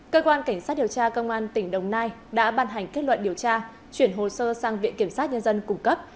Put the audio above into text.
cơ quan cảnh sát điều tra công an tỉnh đồng nai đã ban hành kết luận điều tra chuyển hồ sơ sang viện kiểm sát nhân dân cung cấp